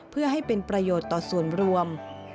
เพื่อให้เป็นประโยชน์ต่อส่วนรวม